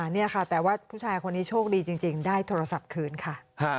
นี่ค่ะแต่ว่าผู้ชายคนนี้โชคดีจริงได้โทรศัพท์คืนค่ะ